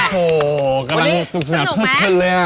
โหวกำลังสูงสนานเพิ่มเพิ่มเลยอ่ะ